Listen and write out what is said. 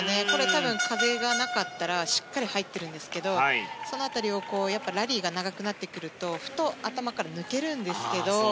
多分、風がなかったらしっかり入ってるんですけどその辺り、やっぱりラリーが長くなってくるとふと、頭から抜けるんですけど。